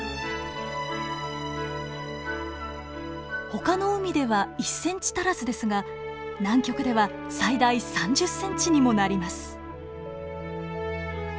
ほかの海では１ｃｍ足らずですが南極では最大３０ｃｍにもなります。